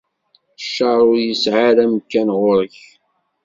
Ccer ur isɛi ara amkan ɣur-k.